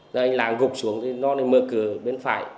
là anh lạng gục xuống thì nó mở cửa bên phải